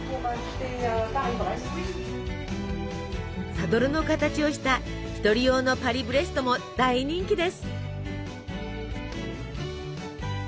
サドルの形をした１人用のパリブレストも大人気です。